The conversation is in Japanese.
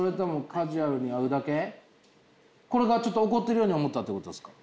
これがちょっと怒ってるように思ったということですか？